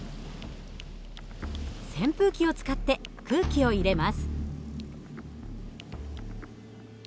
扇風機を使って空気を入れます。